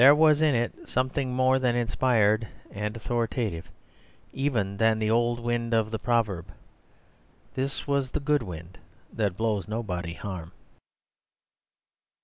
There was in it something more inspired and authoritative even than the old wind of the proverb; for this was the good wind that blows nobody harm.